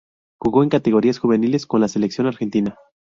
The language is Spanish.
Jugó en categorías juveniles con la Selección argentina.